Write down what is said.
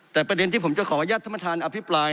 แต่ประเด็นที่ผมจะขออนุญาตท่านประธานอภิปราย